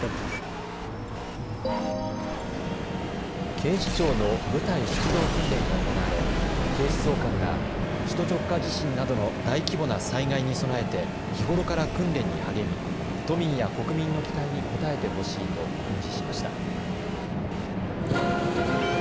警視庁の部隊出動訓練が行われ警視総監が首都直下地震などの大規模な災害に備えて日頃から訓練に励み都民や国民の期待に応えてほしいと訓示しました。